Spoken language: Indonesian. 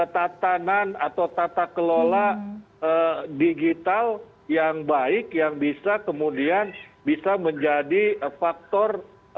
tatanan atau tata kelola digital yang baik yang bisa kemudian bisa menjadi faktor